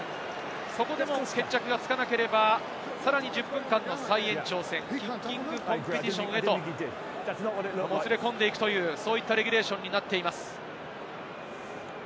そこでも決着がつかなければ、さらに１０分間の再延長戦、キッキング・コンペティションへともつれ込んでいくというレギュレーションになっています。